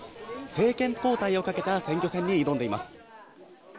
政権交代をかけた選挙戦に挑んでいます。